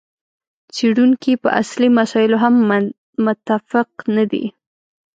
څېړونکي په اصلي مسایلو هم متفق نه دي.